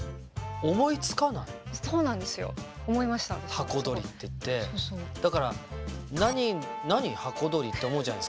箱鳥っていってだから「何何箱鳥？」って思うじゃないですか。